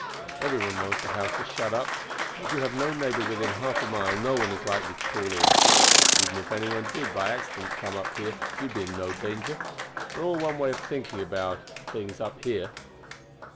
Every one knows the house is shut up, and as you have no neighbor within half a mile no one is likely to call in. Even if any one did by accident come here you would be in no danger; we are all one way of thinking about here."